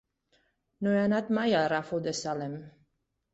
No he anat mai al Ràfol de Salem.